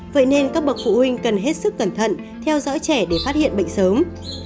vậy nên các bậc phụ huynh cần hết sức cẩn thận theo dõi trẻ để phát hiện bệnh sớm